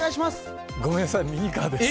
ごめんなさい、ミニカーです。